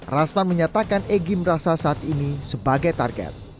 rasman menyatakan egy merasa saat ini sebagai target